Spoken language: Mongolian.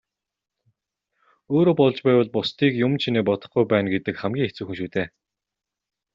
Өөрөө болж байвал бусдыг юман чинээ бодохгүй байна гэдэг хамгийн хэцүү шүү дээ.